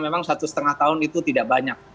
memang satu setengah tahun itu tidak banyak